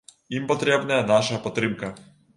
Ім патрэбная наша падтрымка!